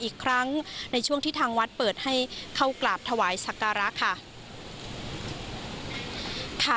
อีกครั้งในช่วงที่ทางวัดเปิดให้เข้ากราบถวายสักการะค่ะ